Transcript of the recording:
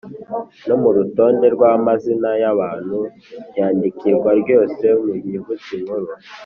no mu rutonde rw‟amazina y‟abantu ryandikwa ryose mu nyuguti nkuru.